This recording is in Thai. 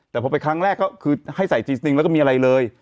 แต่พอไปครั้งแรกก็คือให้ใส่จีสติงแล้วก็มีอะไรเลย